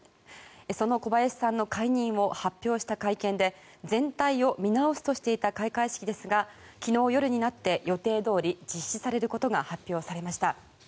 その小林さんの解任を発表した会見で全体を見直すとしていた開会式ですが、昨日夜になって予定どおり実施されることが発表されました。